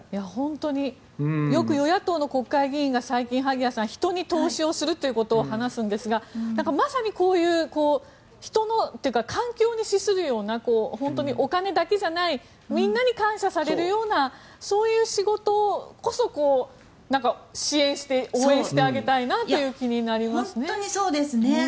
本当によく与野党の国会議員が萩谷さん人に投資をするということを話すんですがまさにこういう人のというか環境に資するような本当にお金だけじゃないみんなに感謝されるようなそういう仕事こそ支援して応援してあげたいなという気になりますね。